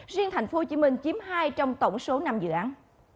riêng thành phố hồ chí minh chiếm hai trong tổng số năm dự án